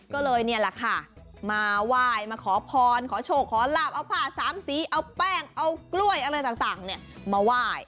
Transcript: ก็เลยนี่แหละค่ะมาไหว้มาขอพรขอโชคขอลาบเอาผ้าสามสีเอาแป้งเอากล้วยอะไรต่างมาไหว้